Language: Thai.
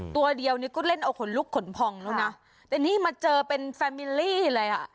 ตัวเดียวนี่ก็เล่นเอาขนลุกขนพองแล้วนะแต่นี่มาเจอเป็นแฟมิลลี่เลยอ่ะ